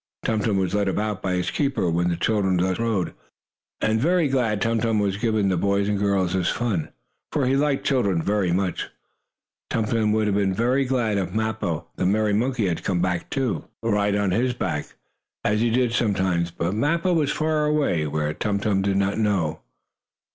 Tum Tum was led about by his keeper when the children thus rode, and very glad Tum Tum was to give the boys and girls this fun, for he liked children very much. Tum Tum would have been very glad if Mappo, the merry monkey, had come back to ride on his back, as he did sometimes. But Mappo was far away; where, Tum Tum did not know.